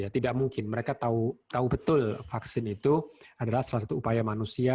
tidak mungkin mereka tahu betul vaksin itu adalah salah satu upaya manusia